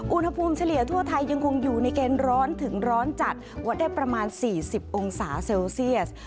เฉลี่ยทั่วไทยยังคงอยู่ในเกณฑ์ร้อนถึงร้อนจัดวัดได้ประมาณ๔๐องศาเซลเซียส